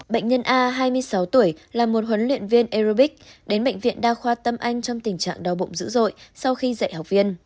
bệnh nhân a hai mươi sáu tuổi là một huấn luyện viên aerobics đến bệnh viện đa khoa tâm anh trong tình trạng đau bụng dữ dội sau khi dạy học viên